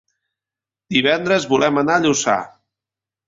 Divendres volem anar a Lluçà.